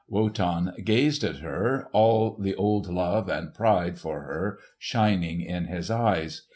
Wotan gazed at her—all the old love and pride for her shining in his eyes.